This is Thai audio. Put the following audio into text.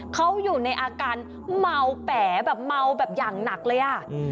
เขาอยู่ในอาการเมาแป๋แบบเมาแบบอย่างหนักเลยอ่ะ